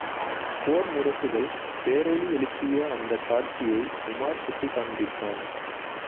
போர் முரசுகள் பேரொலி எழுப்பிய அந்தக் காட்சியை உமார் சுட்டிக் காண்பித்தான்.